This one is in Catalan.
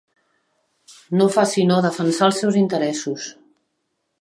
No fa sinó defensar els seus interessos.